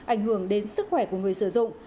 ảnh hưởng đến sức khỏe của người sử dụng